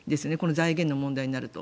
財源の問題になると。